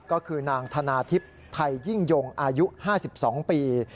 ก็คือนางธนาทิพย์ไทยยิ่งยงอายุ๕๒ปี